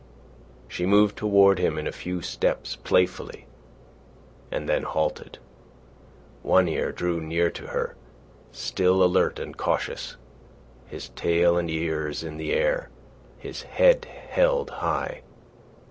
She moved toward him a few steps, playfully, and then halted. One Ear drew near to her, still alert and cautious, his tail and ears in the air, his head held high.